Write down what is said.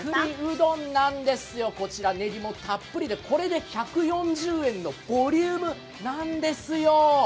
どんなんですよ、こちらねぎもたっぷりでこれで１４０円のボリュームなんですよ。